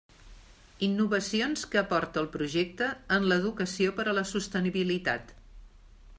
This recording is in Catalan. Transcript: Innovacions que aporta el projecte en l'educació per a la sostenibilitat.